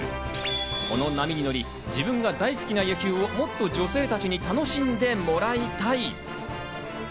この波に乗り、自分が大好きな野球をもっと女性たちに楽しんでもらいたい。